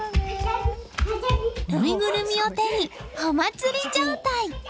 ぬいぐるみを手にお祭り状態！